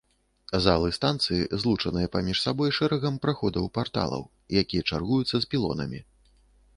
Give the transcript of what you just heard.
Залы станцыі злучаныя паміж сабой шэрагам праходаў-парталаў, якія чаргуюцца з пілонамі.